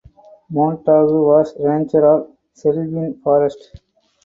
Montagu was Ranger of Selwyn Forest.